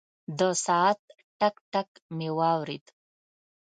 د ساعت ټک، ټک مې واورېد.